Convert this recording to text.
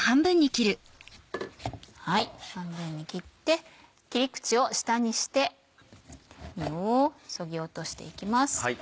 半分に切って切り口を下にして実をそぎ落としていきます。